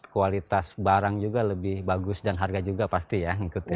kualitas barang juga lebih bagus dan harga juga pasti ya